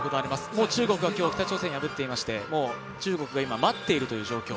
もう中国が今日北朝鮮を破っていて中国が今、待っている状況。